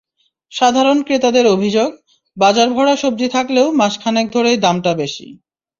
সাধারণ ক্রেতাদের অভিযোগ, বাজারভরা সবজি থাকলেও মাস খানেক ধরেই দামটা বেশি।